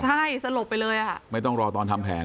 ใช่สลบไปเลยอ่ะไม่ต้องรอตอนทำแผน